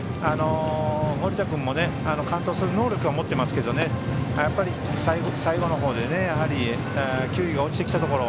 堀田君も完投する能力は持ってますけどやっぱり、最後の方で球威が落ちてきたところ。